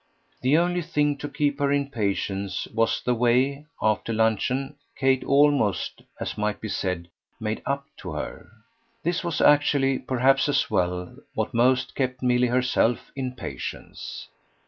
The only thing to keep her in patience was the way, after luncheon, Kate almost, as might be said, made up to her. This was actually perhaps as well what most kept Milly herself in patience.